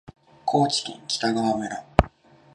高知県北川村